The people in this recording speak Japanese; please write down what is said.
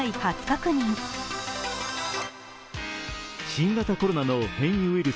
新型コロナの変異ウイル